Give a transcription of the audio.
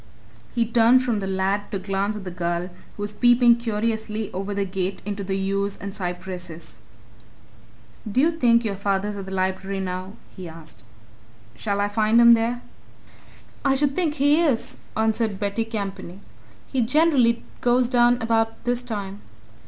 He turned from the lad to glance at the girl, who was peeping curiously over the gate into the yews and cypresses. "Do you think your father's at the Library just now?" he asked. "Shall I find him there?" "I should think he is," answered Betty Campany. "He generally goes down about this time."